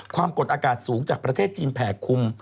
ความกดอากาศสูงจากประเทศจีนแผ่คุม